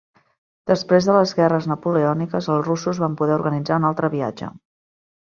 Després de les guerres napoleòniques, els russos van poder organitzar un altre viatge.